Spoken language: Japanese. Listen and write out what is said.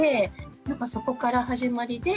なんかそこから始まりで。